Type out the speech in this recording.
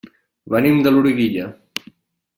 Venim de Loriguilla.